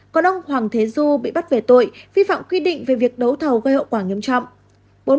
còn ông hoàng thế du bị bắt về tội vi phạm quy định về việc đấu thầu gây hậu quả nghiêm trọng